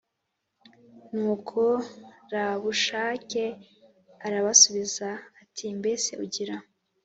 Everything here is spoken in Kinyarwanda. Nuko rabushake arabasubiza ati mbese ugira